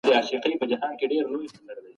څېړونکي په ادبي تاریخ او ژانرونو باندې کار کوي.